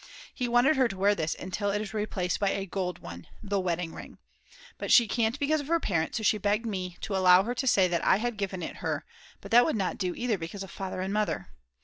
He wanted her to wear this until it is replaced by a gold one the wedding ring. But she can't because of her parents, so she begged me to allow her to say that I had given it her, but that would not do either because of Father and Mother.